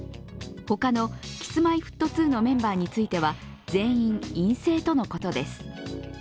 他のＫｉｓ−Ｍｙ−Ｆｔ２のメンバーについては全員陰性とのことです。